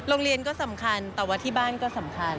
โรงเรียนก็สำคัญแต่ว่าที่บ้านก็สำคัญ